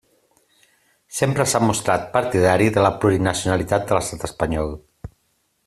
Sempre s'ha mostrat partidari de la plurinacionalitat de l'Estat espanyol.